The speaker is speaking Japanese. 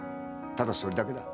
ただそれだけだ。